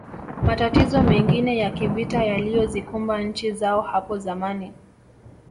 Matatizo mengine ya kivita yaliyozikumba nchi zao hapo zamani